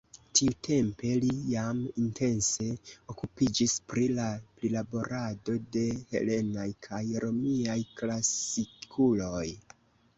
Tiutempe li jam intense okupiĝis pri la prilaborado de helenaj kaj romiaj klasikuloj.